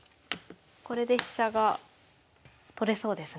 これで飛車が取れそうですね。